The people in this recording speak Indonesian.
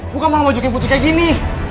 bukan mau ngejokin putri kayak gini